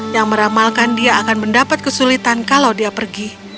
yang meramalkan dia akan mendapat kesulitan kalau dia pergi